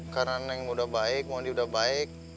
karena neng udah baik mandi udah baik